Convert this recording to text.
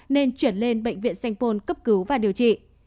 nên chuyển lên bệnh viện sengpon cấp cứu và điều trị